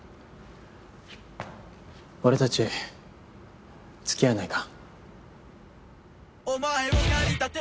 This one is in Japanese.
俺たち付き合わないか？